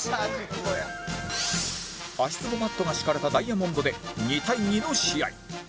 足つぼマットが敷かれたダイヤモンドで２対２の試合